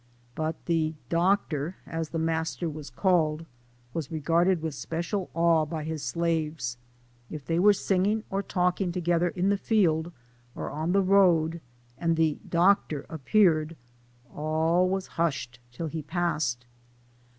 But " the Doctor," as the master was called, was regarded with special awe by his slaves ; if they were singing or talking together in the field, or on the road, and " the Doctor " appeared, all was hush ed till he passed.